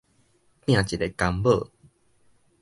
拚一个公母